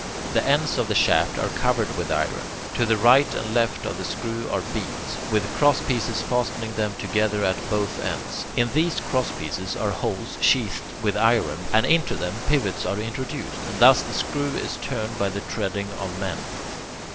The ends of the shaft are covered with iron. To the right and left of the screw are beams, with crosspieces fastening them together at both ends. In these crosspieces are holes sheathed with iron, and into them pivots are introduced, and thus the screw is turned by the treading of men.